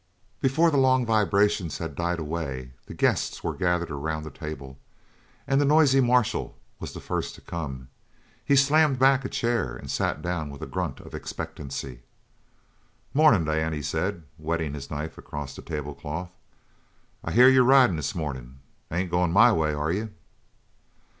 Before the long vibrations had died away the guests were gathered around the table, and the noisy marshal was the first to come. He slammed back a chair and sat down with a grunt of expectancy. "Mornin', Dan," he said, whetting his knife across the table cloth, "I hear you're ridin' this mornin'? Ain't going my way, are you?"